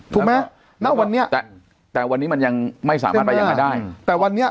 ถูกไหมณวันนี้แต่แต่วันนี้มันยังไม่สามารถไปอย่างนั้นได้แต่วันนี้